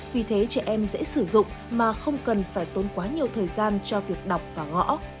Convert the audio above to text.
vì thế trẻ em dễ sử dụng mà không cần phải tốn quá nhiều thời gian cho việc đọc và gõ